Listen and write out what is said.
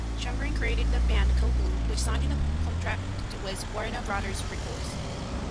Chamberlain created the band "Code Blue", which signed a contract with Warner Brothers Records.